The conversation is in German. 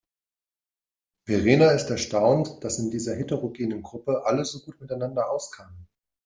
Verena ist erstaunt, dass in dieser heterogenen Gruppe alle so gut miteinander auskamen.